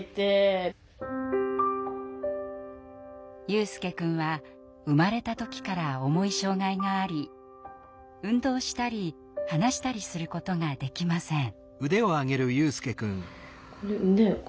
悠翼くんは生まれた時から重い障害があり運動したり話したりすることができません。